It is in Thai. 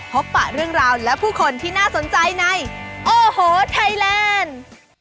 ปะเรื่องราวและผู้คนที่น่าสนใจในโอ้โหไทยแลนด์